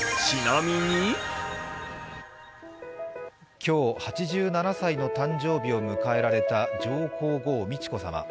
今日、８７歳の誕生日を迎えられた上皇后・美智子さま。